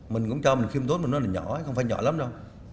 mình cũng cho mình khiêm tốt mình nói là nhỏ không phải nhỏ lắm đâu